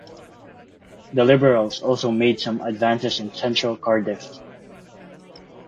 The Liberals also made some advances in central Cardiff.